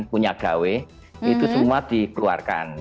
punya gawe itu semua dikeluarkan